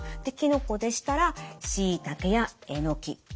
できのこでしたらしいたけやえのき。